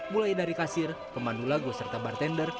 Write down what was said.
mulai dari kasir pemandu lagu serta bartender